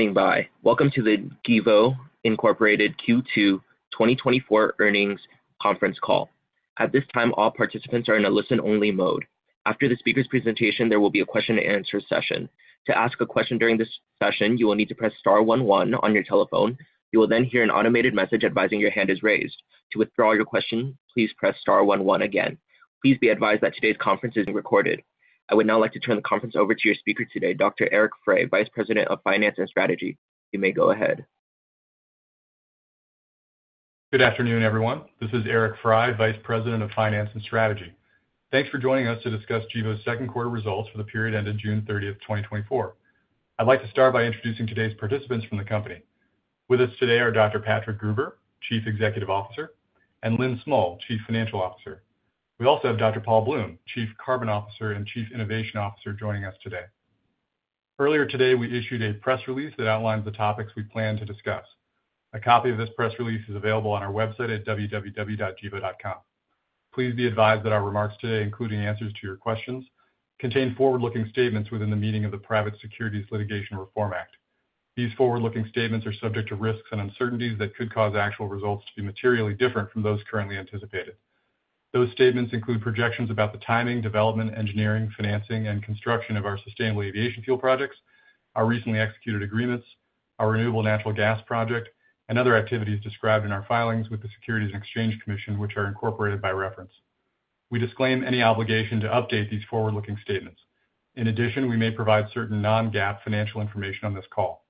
Standing by. Welcome to the Gevo Incorporated Q2 2024 earnings conference call. At this time, all participants are in a listen-only mode. After the speaker's presentation, there will be a question-and-answer session. To ask a question during this session, you will need to press star one one on your telephone. You will then hear an automated message advising your hand is raised. To withdraw your question, please press star one one again. Please be advised that today's conference is being recorded. I would now like to turn the conference over to your speaker today, Dr. Eric Frey, Vice President of Finance and Strategy. You may go ahead. Good afternoon, everyone. This is Eric Frey, Vice President of Finance and Strategy. Thanks for joining us to discuss Gevo's second quarter results for the period ended June 30, 2024. I'd like to start by introducing today's participants from the company. With us today are Dr. Patrick Gruber, Chief Executive Officer, and Lynn Smull, Chief Financial Officer. We also have Dr. Paul Bloom, Chief Carbon Officer and Chief Innovation Officer, joining us today. Earlier today, we issued a press release that outlines the topics we plan to discuss. A copy of this press release is available on our website at www.gevo.com. Please be advised that our remarks today, including answers to your questions, contain forward-looking statements within the meaning of the Private Securities Litigation Reform Act. These forward-looking statements are subject to risks and uncertainties that could cause actual results to be materially different from those currently anticipated. Those statements include projections about the timing, development, engineering, financing, and construction of our sustainable aviation fuel projects, our recently executed agreements, our renewable natural gas project, and other activities described in our filings with the Securities and Exchange Commission, which are incorporated by reference. We disclaim any obligation to update these forward-looking statements. In addition, we may provide certain non-GAAP financial information on this call.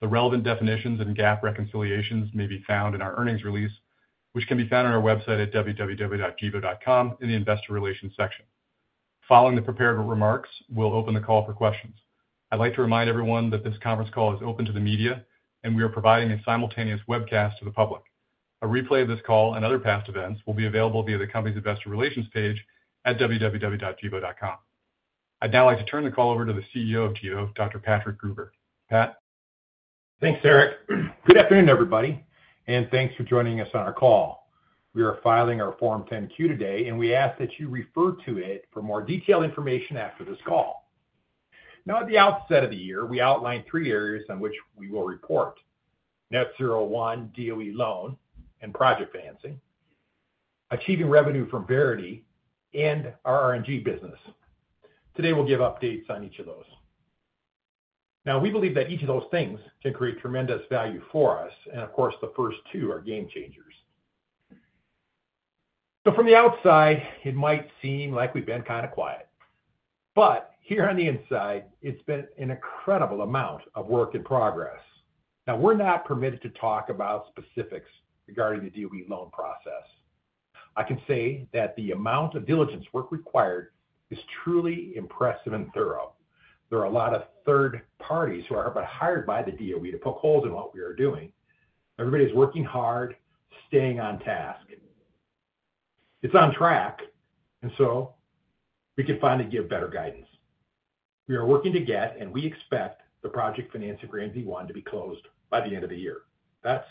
The relevant definitions and GAAP reconciliations may be found in our earnings release, which can be found on our website at www.gevo.com in the Investor Relations section. Following the prepared remarks, we'll open the call for questions. I'd like to remind everyone that this conference call is open to the media, and we are providing a simultaneous webcast to the public. A replay of this call and other past events will be available via the company's investor relations page at www.gevo.com. I'd now like to turn the call over to the CEO of Gevo, Dr. Patrick Gruber. Pat? Thanks, Eric. Good afternoon, everybody, and thanks for joining us on our call. We are filing our Form 10-Q today, and we ask that you refer to it for more detailed information after this call. Now, at the outset of the year, we outlined three areas on which we will report: Net-Zero 1 DOE loan and project financing, achieving revenue from Verity, and our RNG business. Today, we'll give updates on each of those. Now, we believe that each of those things can create tremendous value for us, and of course, the first two are game changers. So from the outside, it might seem like we've been kind of quiet, but here on the inside, it's been an incredible amount of work in progress. Now, we're not permitted to talk about specifics regarding the DOE loan process. I can say that the amount of diligence work required is truly impressive and thorough. There are a lot of third parties who are hired by the DOE to poke holes in what we are doing. Everybody is working hard, staying on task. It's on track, and so we can finally give better guidance. We are working to get, and we expect, the project finance of Net-Zero 1 to be closed by the end of the year. That's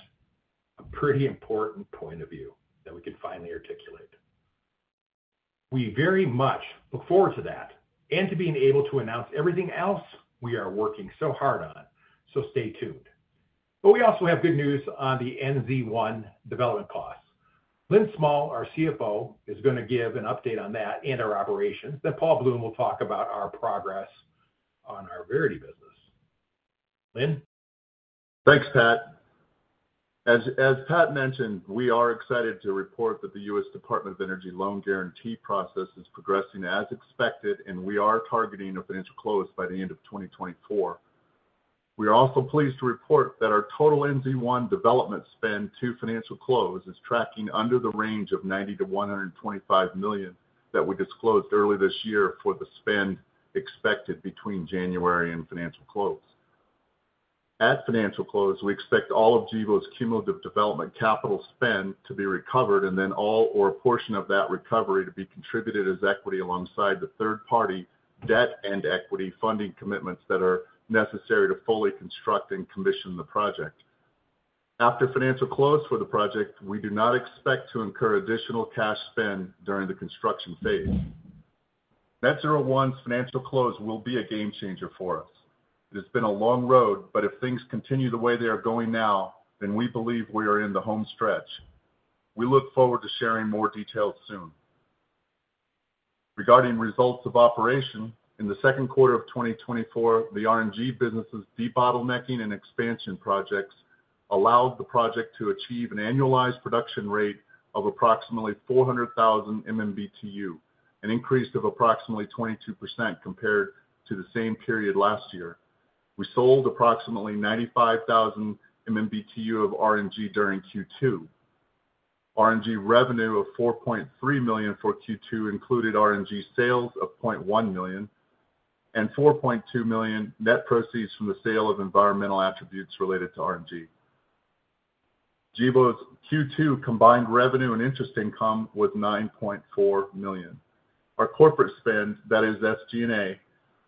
a pretty important point of view that we can finally articulate. We very much look forward to that and to being able to announce everything else we are working so hard on, so stay tuned. We also have good news on the NZ-1 development costs. Lynn Smull, our CFO, is going to give an update on that and our operations, then Paul Bloom will talk about our progress on our Verity business. Lynn? Thanks, Pat. As Pat mentioned, we are excited to report that the U.S. Department of Energy loan guarantee process is progressing as expected, and we are targeting a financial close by the end of 2024. We are also pleased to report that our total NZ-1 development spend to financial close is tracking under the range of $90 million-$125 million that we disclosed early this year for the spend expected between January and financial close. At financial close, we expect all of Gevo's cumulative development capital spend to be recovered and then all or a portion of that recovery to be contributed as equity alongside the third-party debt and equity funding commitments that are necessary to fully construct and commission the project. After financial close for the project, we do not expect to incur additional cash spend during the construction phase. Net-Zero 1's financial close will be a game changer for us. It has been a long road, but if things continue the way they are going now, then we believe we are in the home stretch. We look forward to sharing more details soon. Regarding results of operation, in the second quarter of 2024, the RNG business's debottlenecking and expansion projects allowed the project to achieve an annualized production rate of approximately 400,000 MMBtu, an increase of approximately 22% compared to the same period last year. We sold approximately 95,000 MMBtu of RNG during Q2. RNG revenue of $4.3 million for Q2 included RNG sales of $0.1 million and $4.2 million net proceeds from the sale of environmental attributes related to RNG. Gevo's Q2 combined revenue and interest income was $9.4 million. Our corporate spend, that is SG&A,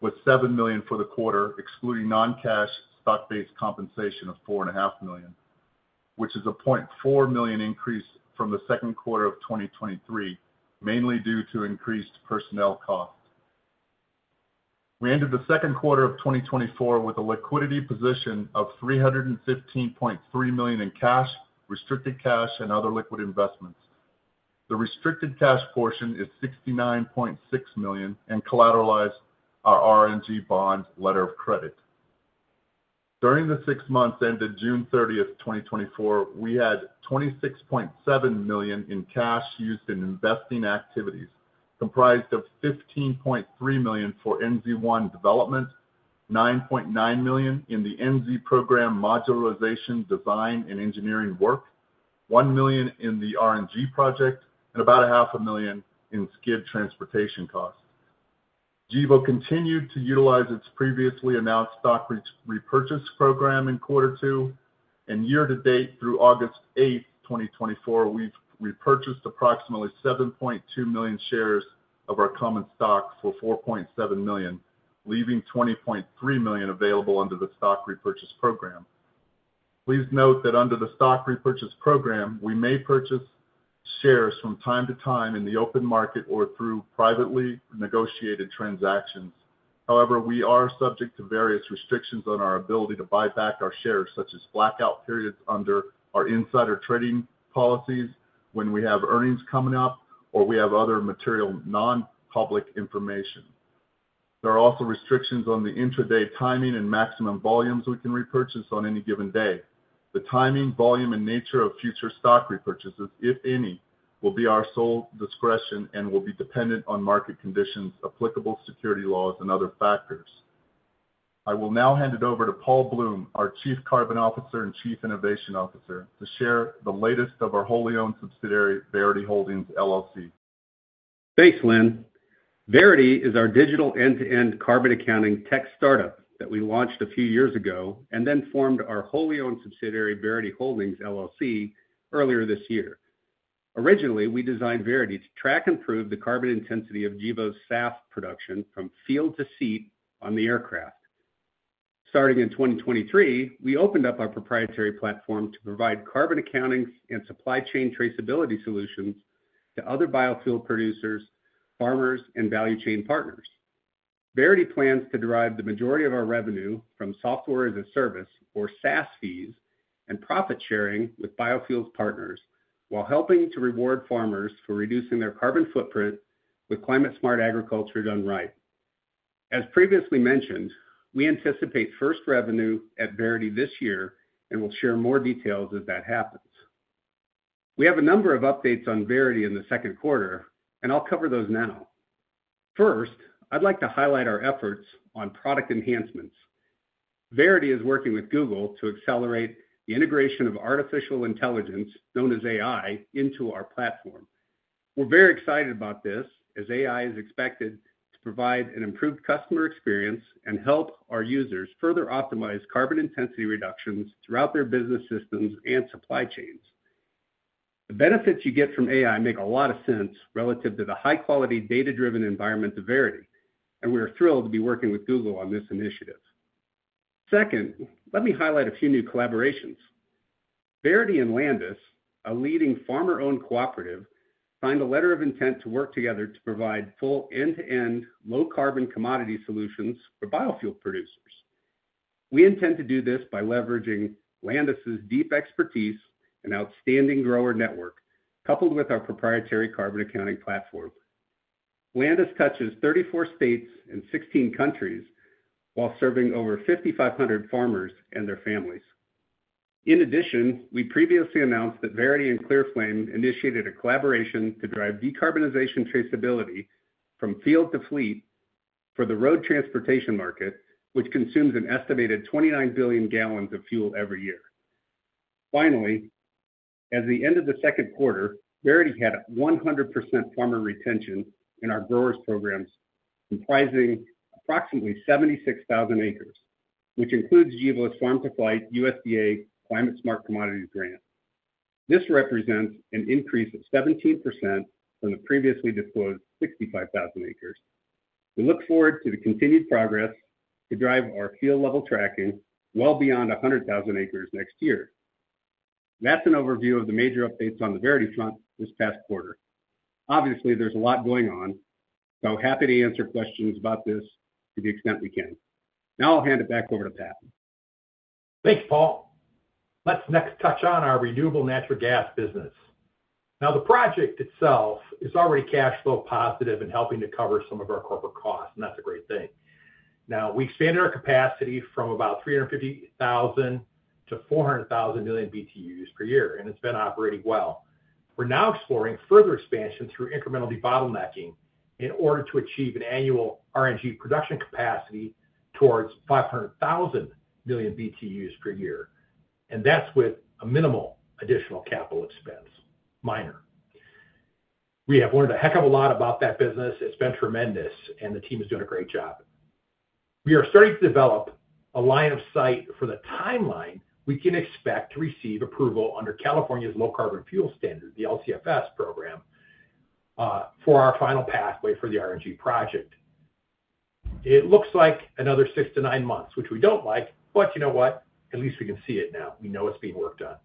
was $7 million for the quarter, excluding non-cash stock-based compensation of $4.5 million, which is a $0.4 million increase from the second quarter of 2023, mainly due to increased personnel costs. We ended the second quarter of 2024 with a liquidity position of $315.3 million in cash, restricted cash, and other liquid investments. The restricted cash portion is $69.6 million and collateralized our RNG bond letter of credit. During the six months ended June 30th, 2024, we had $26.7 million in cash used in investing activities, comprised of $15.3 million for NZ1 development, $9.9 million in the NZ program modularization, design, and engineering work, $1 million in the RNG project, and about $0.5 million in skid transportation costs. Gevo continued to utilize its previously announced stock repurchase program in quarter two, and year to date, through August eighth, 2024, we've repurchased approximately 7.2 million shares of our common stock for $4.7 million, leaving $20.3 million available under the stock repurchase program. Please note that under the stock repurchase program, we may purchase shares from time to time in the open market or through privately negotiated transactions. However, we are subject to various restrictions on our ability to buy back our shares, such as blackout periods under our insider trading policies when we have earnings coming up or we have other material, non-public information. There are also restrictions on the intraday timing and maximum volumes we can repurchase on any given day. The timing, volume, and nature of future stock repurchases, if any, will be our sole discretion and will be dependent on market conditions, applicable security laws, and other factors. I will now hand it over to Paul Bloom, our Chief Carbon Officer and Chief Innovation Officer, to share the latest of our wholly-owned subsidiary, Verity Holdings, LLC. Thanks, Lynn. Verity is our digital end-to-end carbon accounting tech startup that we launched a few years ago and then formed our wholly-owned subsidiary, Verity Holdings, LLC, earlier this year. Originally, we designed Verity to track and prove the carbon intensity of Gevo's SAF production from field to seat on the aircraft. Starting in 2023, we opened up our proprietary platform to provide carbon accounting and supply chain traceability solutions to other biofuel producers, farmers, and value chain partners. Verity plans to derive the majority of our revenue from software as a service, or SaaS fees, and profit sharing with biofuels partners, while helping to reward farmers for reducing their carbon footprint with climate-smart agriculture done right. As previously mentioned, we anticipate first revenue at Verity this year, and we'll share more details as that happens. We have a number of updates on Verity in the second quarter, and I'll cover those now. First, I'd like to highlight our efforts on product enhancements. Verity is working with Google to accelerate the integration of artificial intelligence, known as AI, into our platform. We're very excited about this, as AI is expected to provide an improved customer experience and help our users further optimize carbon intensity reductions throughout their business systems and supply chains. The benefits you get from AI make a lot of sense relative to the high-quality, data-driven environment of Verity, and we are thrilled to be working with Google on this initiative. Second, let me highlight a few new collaborations. Verity and Landus, a leading farmer-owned cooperative, signed a letter of intent to work together to provide full end-to-end low-carbon commodity solutions for biofuel producers. We intend to do this by leveraging Landus' deep expertise and outstanding grower network, coupled with our proprietary carbon accounting platform. Landus touches 34 states and 16 countries while serving over 5,500 farmers and their families. In addition, we previously announced that Verity and ClearFlame initiated a collaboration to drive decarbonization traceability from field to fleet for the road transportation market, which consumes an estimated 29 billion gallons of fuel every year. Finally, at the end of the second quarter, Verity had 100% farmer retention in our growers programs, comprising approximately 76,000 acres, which includes Gevo's Farm-to-Flight USDA Climate-Smart Commodities grant. This represents an increase of 17% from the previously disclosed 65,000 acres. We look forward to the continued progress to drive our field-level tracking well beyond 100,000 acres next year. That's an overview of the major updates on the Verity front this past quarter. Obviously, there's a lot going on, so happy to answer questions about this to the extent we can. Now I'll hand it back over to Pat. Thanks, Paul. Let's next touch on our renewable natural gas business. Now, the project itself is already cash flow positive in helping to cover some of our corporate costs, and that's a great thing. Now, we expanded our capacity from about 350,000 million-400,000 million BTUs per year, and it's been operating well. We're now exploring further expansion through incremental debottlenecking in order to achieve an annual RNG production capacity towards 500,000 million BTUs per year, and that's with a minimal additional capital expense, minor. We have learned a heck of a lot about that business. It's been tremendous, and the team is doing a great job. We are starting to develop a line of sight for the timeline we can expect to receive approval under California's Low Carbon Fuel Standard, the LCFS program, for our final pathway for the RNG project.... It looks like another 6-9 months, which we don't like, but you know what? At least we can see it now. We know it's being worked on.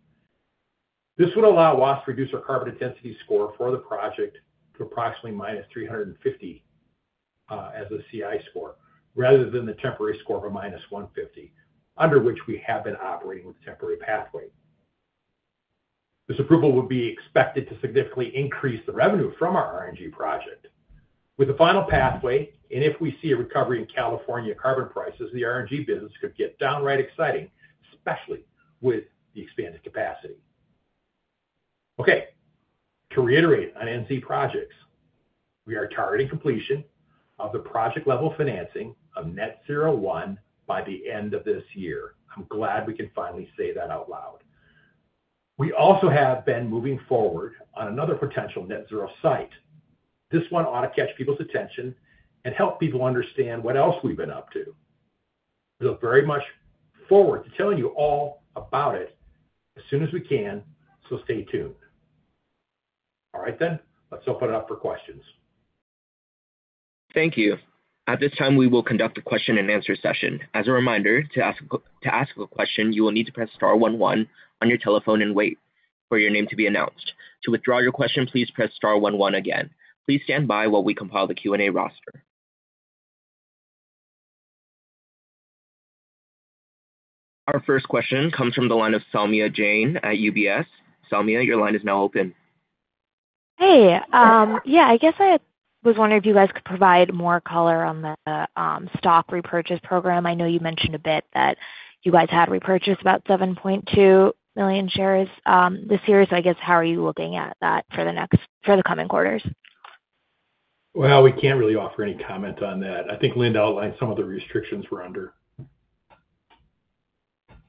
This would allow us to reduce our carbon intensity score for the project to approximately -350, as a CI score, rather than the temporary score of a -150, under which we have been operating with the temporary pathway. This approval would be expected to significantly increase the revenue from our RNG project. With the final pathway, and if we see a recovery in California carbon prices, the RNG business could get downright exciting, especially with the expanded capacity. Okay, to reiterate on NZ projects, we are targeting completion of the project-level financing of Net-Zero 1 by the end of this year. I'm glad we can finally say that out loud. We also have been moving forward on another potential Net-Zero site. This one ought to catch people's attention and help people understand what else we've been up to. We look very much forward to telling you all about it as soon as we can, so stay tuned. All right, then. Let's open it up for questions. Thank you. At this time, we will conduct a question-and-answer session. As a reminder, to ask a question, you will need to press star one one on your telephone and wait for your name to be announced. To withdraw your question, please press star one one again. Please stand by while we compile the Q&A roster. Our first question comes from the line of Saumya Jain at UBS. Saumya, your line is now open. Hey, yeah, I guess I was wondering if you guys could provide more color on the stock repurchase program. I know you mentioned a bit that you guys had repurchased about 7.2 million shares this year. So I guess, how are you looking at that for the coming quarters? Well, we can't really offer any comment on that. I think Lynn outlined some of the restrictions we're under.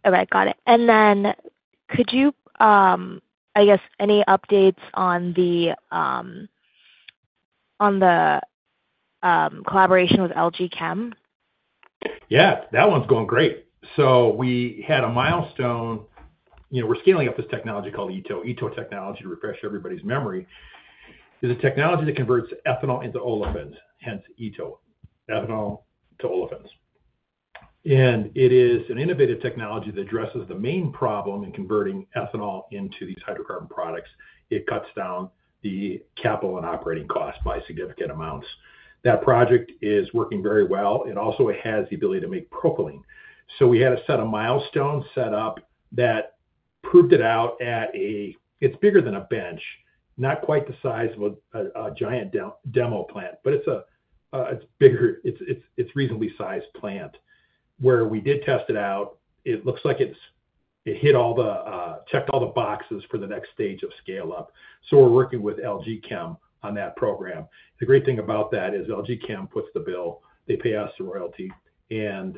All right, got it. And then could you, I guess, any updates on the collaboration with LG Chem? Yeah, that one's going great. So we had a milestone. You know, we're scaling up this technology called ETO. ETO technology, to refresh everybody's memory, is a technology that converts ethanol into olefins, hence ETO, ethanol to olefins. And it is an innovative technology that addresses the main problem in converting ethanol into these hydrocarbon products. It cuts down the capital and operating costs by significant amounts. That project is working very well, and also it has the ability to make propylene. So we had a set of milestones set up that proved it out at a, it's bigger than a bench, not quite the size of a giant demo plant, but it's a reasonably sized plant, where we did test it out. It looks like it's, it checked all the boxes for the next stage of scale-up. So we're working with LG Chem on that program. The great thing about that is LG Chem puts the bill, they pay us a royalty, and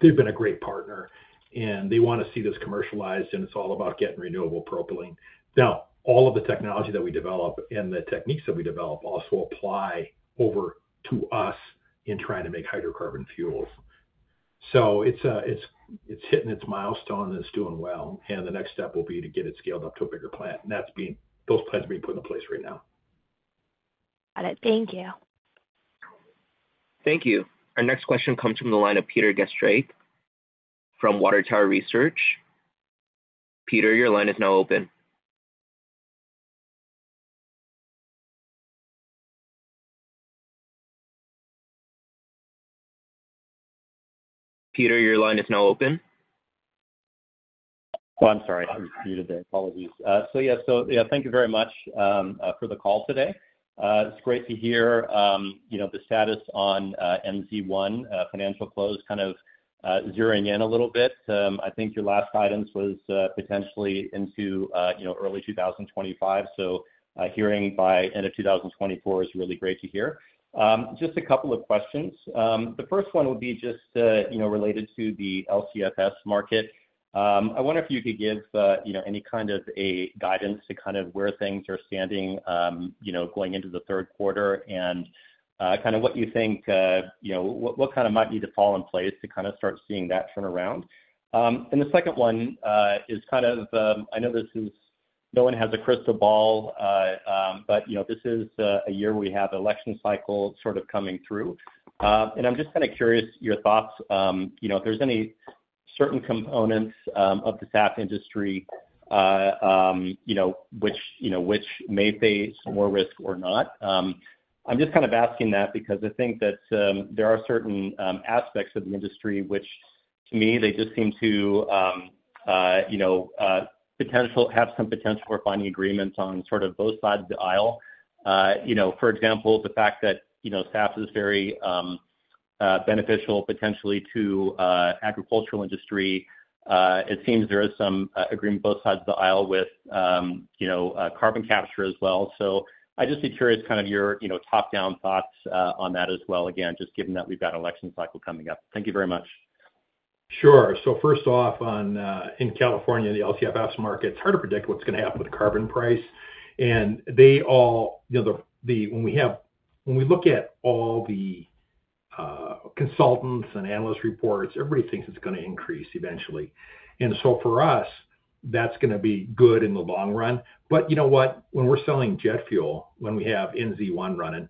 they've been a great partner, and they want to see this commercialized, and it's all about getting renewable propylene. Now, all of the technology that we develop and the techniques that we develop also apply over to us in trying to make hydrocarbon fuels. So it's hitting its milestone, and it's doing well, and the next step will be to get it scaled up to a bigger plant, and that's being, those plans are being put in place right now. Got it. Thank you. Thank you. Our next question comes from the line of Peter Gastreich from Water Tower Research. Peter, your line is now open. Peter, your line is now open. Oh, I'm sorry. I was muted there. Apologies. So, yeah, so, yeah, thank you very much for the call today. It's great to hear, you know, the status on NZ1 financial close kind of zeroing in a little bit. I think your last guidance was potentially into, you know, early 2025. So, hearing by end of 2024 is really great to hear. Just a couple of questions. The first one would be just, you know, related to the LCFS market. I wonder if you could give, you know, any kind of a guidance to kind of where things are standing, you know, going into the third quarter and, kind of what you think, you know, what kind of might need to fall in place to kind of start seeing that turn around? And the second one, is kind of, I know this is no one has a crystal ball, but, you know, this is, a year we have election cycle sort of coming through. And I'm just kind of curious your thoughts, you know, if there's any certain components, of the SAF industry, you know, which, you know, which may face more risk or not. I'm just kind of asking that because I think that, there are certain aspects of the industry which, to me, they just seem to, you know, have some potential for finding agreements on sort of both sides of the aisle. You know, for example, the fact that, you know, SAF is very beneficial potentially to agricultural industry, it seems there is some agreement both sides of the aisle with, you know, carbon capture as well. So I'd just be curious, kind of your, you know, top-down thoughts on that as well, again, just given that we've got an election cycle coming up. Thank you very much. Sure. So first off, on in California, the LCFS market, it's hard to predict what's going to happen with the carbon price, and they all—you know, the—when we look at all the consultants and analyst reports, everybody thinks it's gonna increase eventually. And so for us—that's gonna be good in the long run. But you know what? When we're selling jet fuel, when we have NZ1 running,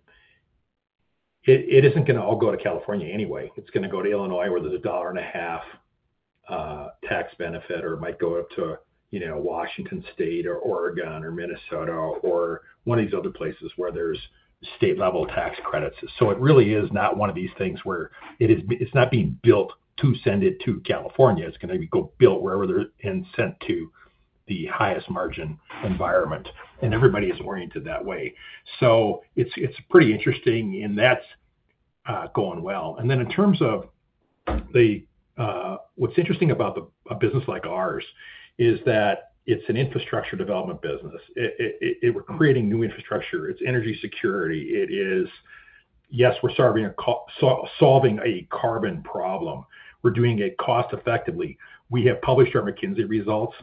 it isn't gonna all go to California anyway. It's gonna go to Illinois, where there's $1.50 tax benefit, or it might go up to, you know, Washington State or Oregon or Minnesota or one of these other places where there's state-level tax credits. So it really is not one of these things where it's not being built to send it to California. It's gonna go built wherever they're and sent to the highest margin environment, and everybody is oriented that way. So it's, it's pretty interesting, and that's going well. And then in terms of the... What's interesting about a business like ours is that it's an infrastructure development business. It, it, it-- we're creating new infrastructure, it's energy security, it is. Yes, we're solving a so- solving a carbon problem. We're doing it cost-effectively. We have published our McKinsey results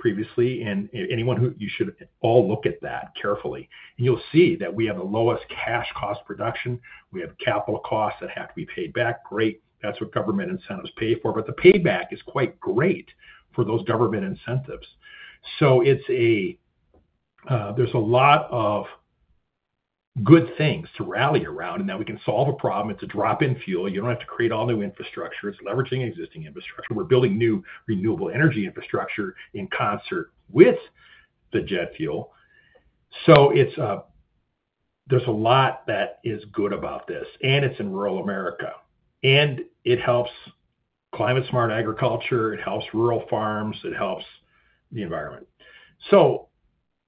previously, and anyone who you should all look at that carefully, and you'll see that we have the lowest cash cost production. We have capital costs that have to be paid back. Great, that's what government incentives pay for. But the payback is quite great for those government incentives. So it's a, there's a lot of good things to rally around, and that we can solve a problem. It's a drop-in fuel. You don't have to create all new infrastructure. It's leveraging existing infrastructure. We're building new renewable energy infrastructure in concert with the jet fuel. So it's, there's a lot that is good about this, and it's in rural America, and it helps climate-smart agriculture, it helps rural farms, it helps the environment. So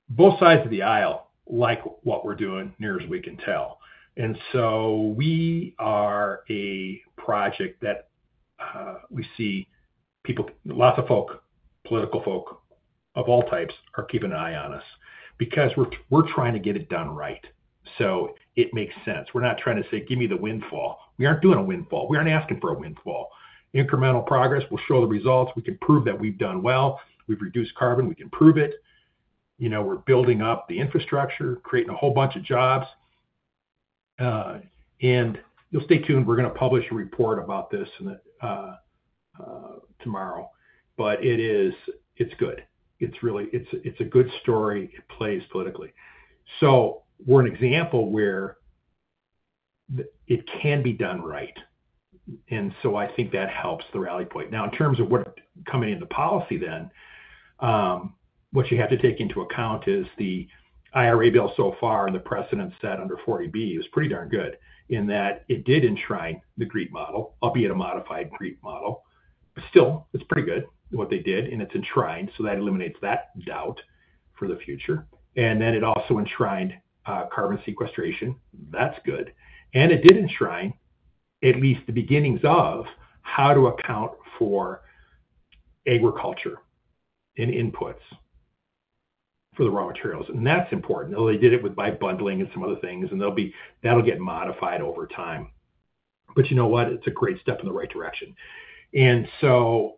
both sides of the aisle like what we're doing, near as we can tell. And so we are a project that, we see people—lots of folk, political folk of all types are keeping an eye on us because we're, we're trying to get it done right. So it makes sense. We're not trying to say, "Give me the windfall." We aren't doing a windfall. We aren't asking for a windfall. Incremental progress, we'll show the results, we can prove that we've done well. We've reduced carbon, we can prove it. You know, we're building up the infrastructure, creating a whole bunch of jobs. And you'll stay tuned, we're gonna publish a report about this in the tomorrow, but it is, it's good. It's really. It's, it's a good story. It plays politically. So we're an example where it can be done right, and so I think that helps the rally point. Now, in terms of what's coming into policy then, what you have to take into account is the IRA bill so far, and the precedent set under 40B is pretty darn good, in that it did enshrine the GREET model, albeit a modified GREET model, but still, it's pretty good what they did, and it's enshrined, so that eliminates that doubt for the future. And then it also enshrined carbon sequestration. That's good. And it did enshrine at least the beginnings of how to account for agriculture and inputs for the raw materials, and that's important, though they did it by bundling and some other things, and that'll get modified over time. But you know what? It's a great step in the right direction. And so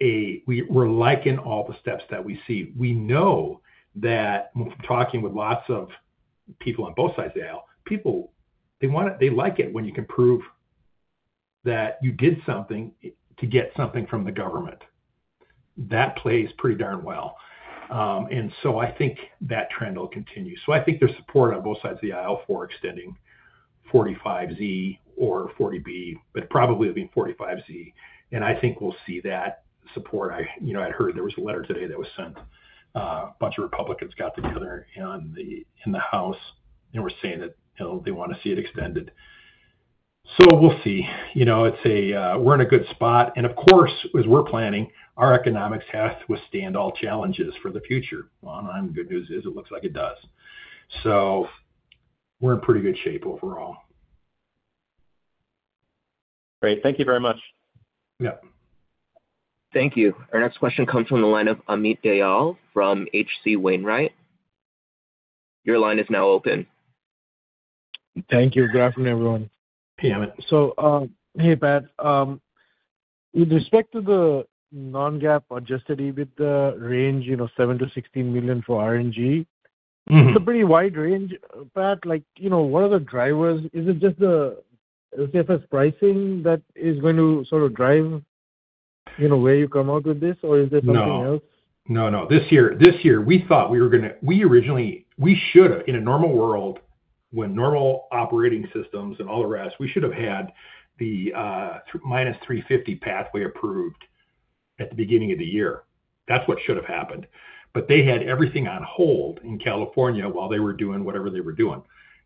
we're liking all the steps that we see. We know that from talking with lots of people on both sides of the aisle, people, they wanna they like it when you can prove that you did something to get something from the government. That plays pretty darn well. And so I think that trend will continue. So I think there's support on both sides of the aisle for extending 45Z or 40B, but probably it'll be 45Z, and I think we'll see that support. I, you know, I'd heard there was a letter today that was sent. A bunch of Republicans got together in the House, and were saying that, you know, they wanna see it extended. So we'll see. You know, it's a... We're in a good spot, and of course, as we're planning, our economics have to withstand all challenges for the future. Well, and the good news is, it looks like it does. So we're in pretty good shape overall. Great. Thank you very much. Yeah. Thank you. Our next question comes from the line of Amit Dayal from H.C. Wainwright. Your line is now open. Thank you. Good afternoon, everyone. Hey, Amit. Hey, Pat. With respect to the non-GAAP adjusted EBITDA range, you know, $7 million-$16 million for RNG- Mm-hmm. It's a pretty wide range, Pat. Like, you know, what are the drivers? Is it just the LCFS pricing that is going to sort of drive, you know, where you come out with this, or is there something else? No. No, no. This year, this year, we thought we were gonna—we originally—We should, in a normal world, when normal operating systems and all the rest, we should have had the minus 350 pathway approved at the beginning of the year. That's what should have happened. But they had everything on hold in California while they were doing whatever they were doing.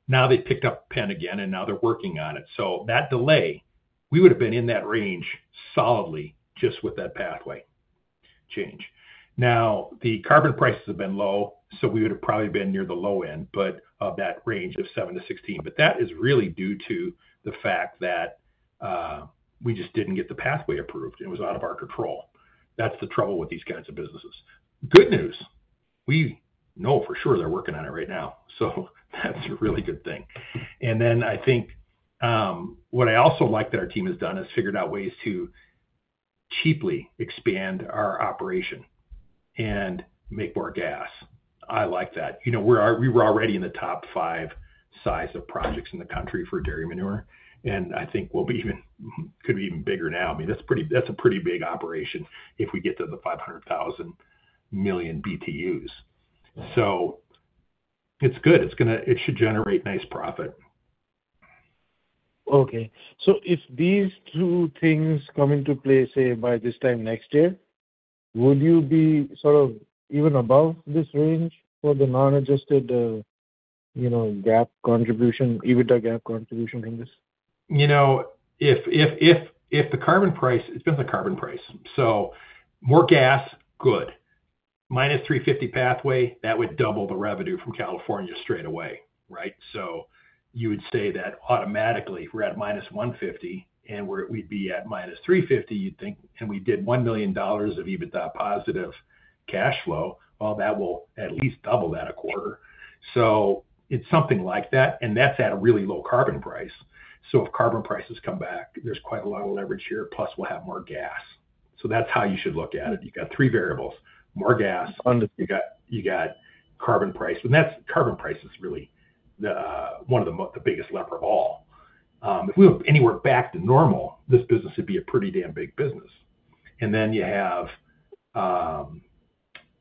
Now, they've picked up pen again, and now they're working on it. So that delay, we would've been in that range solidly just with that pathway change. Now, the carbon prices have been low, so we would've probably been near the low end, but of that range of 7-16. But that is really due to the fact that we just didn't get the pathway approved, and it was out of our control. That's the trouble with these kinds of businesses. Good news, we know for sure they're working on it right now, so that's a really good thing. Then I think what I also like that our team has done is figured out ways to cheaply expand our operation and make more gas. I like that. You know, we were already in the top five size of projects in the country for dairy manure, and I think we'll be even, could be even bigger now. I mean, that's a pretty big operation if we get to the 500,000 MMBtu. So it's good. It's gonna. It should generate nice profit. Okay. So if these two things come into play, say, by this time next year, would you be sort of even above this range for the non-adjusted, you know, GAAP contribution, EBITDA GAAP contribution from this? You know, if the carbon price... It's been the carbon price. So more gas, good. -350 pathway, that would double the revenue from California straight away, right? So you would say that automatically, we're at -150, and we're, we'd be at -350, you'd think, and we did $1 million of EBITDA positive cash flow, well, that will at least double that a quarter. So it's something like that, and that's at a really low carbon price. So if carbon prices come back, there's quite a lot of leverage here, plus we'll have more gas. So that's how you should look at it. You got three variables: more gas- Understood. You got, you got carbon price, and that's, carbon price is really the one of the biggest lever of all. If we were anywhere back to normal, this business would be a pretty damn big business. And then you have,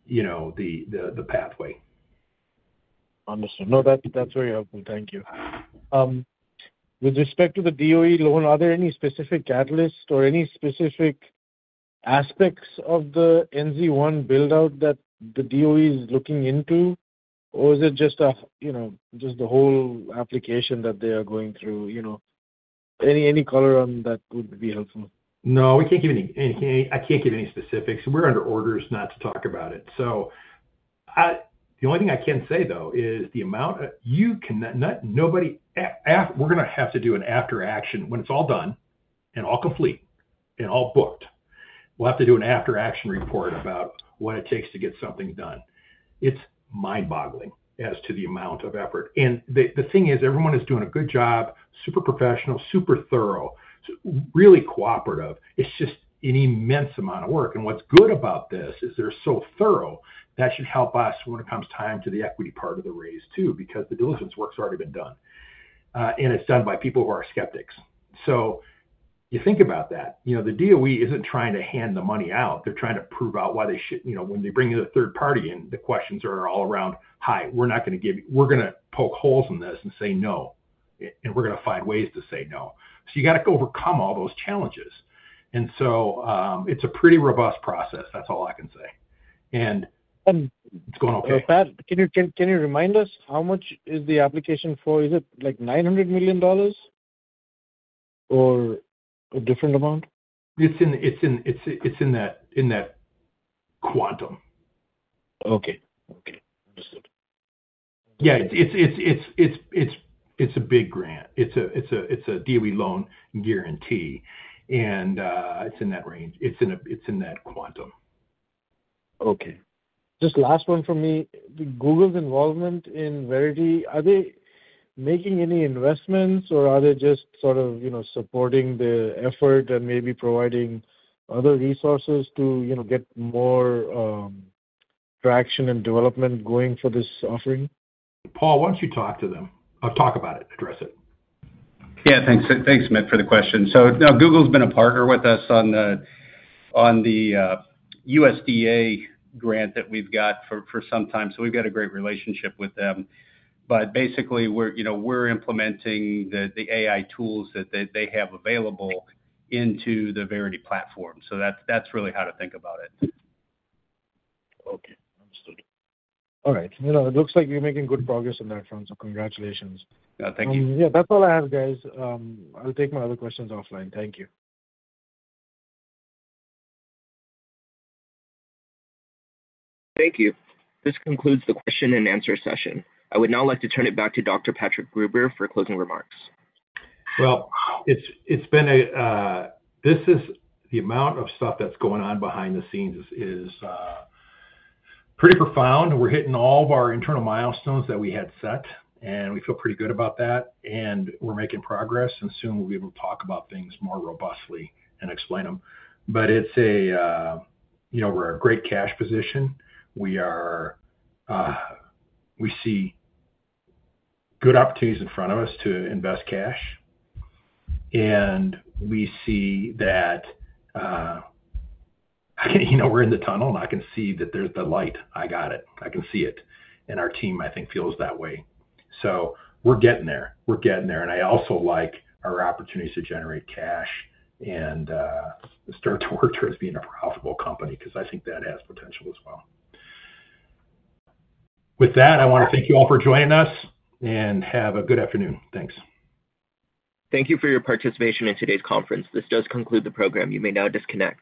you know, the pathway. Understood. No, that, that's very helpful. Thank you. With respect to the DOE loan, are there any specific catalysts or any specific aspects of the NZ1 build-out that the DOE is looking into? Or is it just a, you know, just the whole application that they are going through, you know? Any, any color on that would be helpful. No, we can't give any. I can't give any specifics. We're under orders not to talk about it. So the only thing I can say, though, is the amount of... We're gonna have to do an after action. When it's all done and all complete and all booked, we'll have to do an after action report about what it takes to get something done. It's mind-boggling as to the amount of effort. And the thing is, everyone is doing a good job, super professional, super thorough, so really cooperative. It's just an immense amount of work. And what's good about this is they're so thorough, that should help us when it comes time to the equity part of the raise, too, because the diligence work's already been done, and it's done by people who are skeptics. So you think about that. You know, the DOE isn't trying to hand the money out. They're trying to prove out why they should-- You know, when they bring in a third party in, the questions are all around, "Hi, we're not gonna give you-- We're gonna poke holes in this and say no, and we're gonna find ways to say no." So you got to overcome all those challenges. And so, it's a pretty robust process. That's all I can say. And- Um- It's going okay. Pat, can you remind us how much is the application for? Is it, like, $900 million or a different amount? It's in that quantum. Okay. Okay, understood. Yeah, it's a big grant. It's a DOE loan guarantee, and it's in that range. It's in that quantum. Okay. Just last one from me. Google's involvement in Verity, are they making any investments or are they just sort of, you know, supporting the effort and maybe providing other resources to, you know, get more traction and development going for this offering? Paul, why don't you talk to them? Talk about it, address it. Yeah, thanks. Thanks, Amit, for the question. So, now, Google's been a partner with us on the USDA grant that we've got for some time, so we've got a great relationship with them. But basically, we're, you know, we're implementing the AI tools that they have available into the Verity platform. So that's really how to think about it. Okay, understood. All right. You know, it looks like you're making good progress on that front, so congratulations. Yeah, thank you. Yeah, that's all I have, guys. I'll take my other questions offline. Thank you. Thank you. This concludes the question and answer session. I would now like to turn it back to Dr. Patrick Gruber for closing remarks. Well, it's been a. This is the amount of stuff that's going on behind the scenes is pretty profound. We're hitting all of our internal milestones that we had set, and we feel pretty good about that, and we're making progress, and soon we'll be able to talk about things more robustly and explain them. But it's a, you know, we're a great cash position. We are, we see good opportunities in front of us to invest cash, and we see that, you know, we're in the tunnel, and I can see that there's the light. I got it. I can see it. And our team, I think, feels that way. So we're getting there. We're getting there. I also like our opportunities to generate cash and start to work towards being a profitable company, 'cause I think that has potential as well. With that, I want to thank you all for joining us, and have a good afternoon. Thanks. Thank you for your participation in today's conference. This does conclude the program. You may now disconnect.